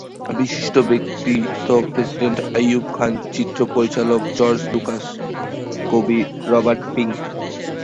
বিশিষ্ট ব্যক্তিত্ব—প্রেসিডেন্ট আইয়ুব খান, চিত্র পরিচালক জর্জ লুকাস, কবি রবার্ট পিংক।